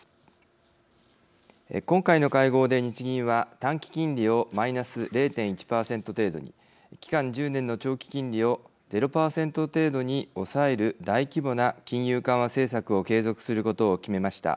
今回の会合で日銀は短期金利をマイナス０．１％程度に期間１０年の長期金利を０％程度に抑える大規模な金融緩和政策を継続することを決めました。